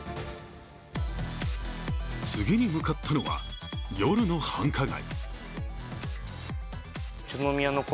次に向かったのは、夜の繁華街。